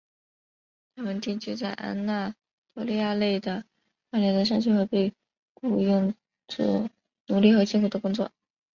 他们定居在安纳托利亚内的荒凉的山区和被雇用作奴仆和辛苦的工作。